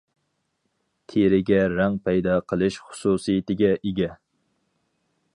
تېرىگە رەڭ پەيدا قىلىش خۇسۇسىيىتىگە ئىگە.